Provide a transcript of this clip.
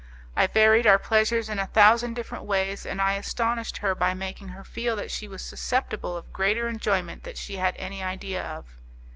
I varied our pleasures in a thousand different ways, and I astonished her by making her feel that she was susceptible of greater enjoyment than she had any idea of.